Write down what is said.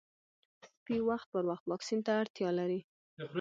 سپي وخت پر وخت واکسین ته اړتیا لري.